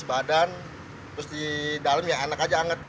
sepadan terus di dalam ya anak aja hangat